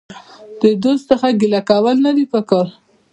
د دوست څخه ګيله کول نه دي په کار.